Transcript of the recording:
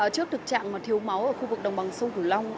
trước thực trạng thiếu máu ở khu vực đồng bằng sông cửu long